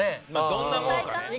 どんなもんかね。